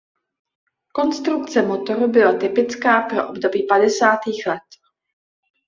Konstrukce motoru byla typická pro období padesátých let.